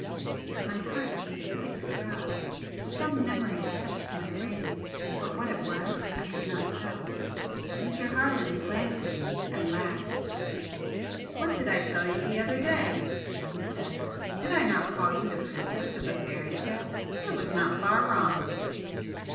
My heart gave a quick throb, some memory touched my brain, but what it was I could not tell. Mr. Harland glanced at me and laughed. "What did I tell you the other day?" he said "Did I not call you the princess of a fairy tale? I was not far wrong!"